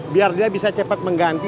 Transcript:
biar dia bisa cepat mengganti